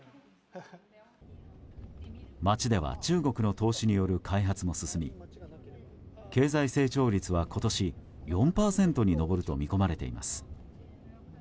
街では中国の投資による開発も進み経済成長率は今年４％に上ると見込まれています。